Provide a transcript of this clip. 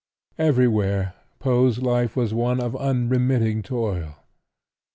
Everywhere Poe's life was one of unremitting toil.